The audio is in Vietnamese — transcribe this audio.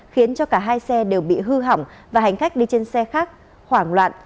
khiến cho cả hai xe đều bị hư hỏng và hành khách đi trên xe khác hoảng loạn